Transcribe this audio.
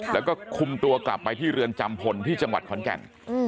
แล้วก็คุมตัวกลับไปที่เรือนจำพลที่จังหวัดขอนแก่น